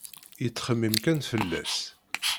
Yettxemmim kan fell-as.